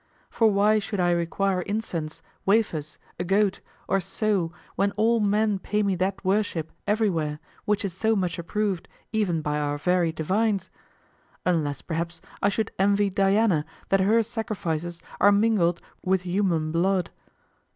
For why should I require incense, wafers, a goat, or sow when all men pay me that worship everywhere which is so much approved even by our very divines? Unless perhaps I should envy Diana that her sacrifices are mingled with human blood.